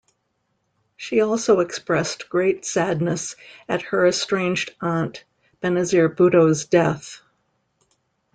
She also expressed great sadness at her estranged aunt, Benazir Bhutto's death.